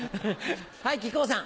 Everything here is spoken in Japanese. はい木久扇さん。